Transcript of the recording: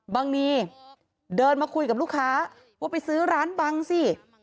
นีเดินมาคุยกับลูกค้าว่าไปซื้อร้านบังสิ